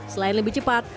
selain lebih cepat